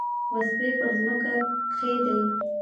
وسلې پر مځکه کښېږدي.